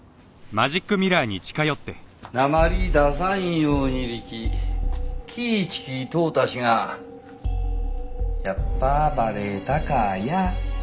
訛り出さんようにりき気ぃちきとうたしがやっぱバレたかや。